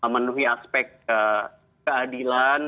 menuhi aspek keadilan